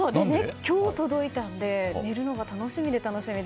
今日、届いたので寝るのが楽しみで楽しみで。